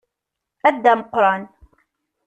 A Dda Meqqran.